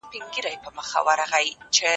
د بل چا موندنه بې اجازې مه کاروئ.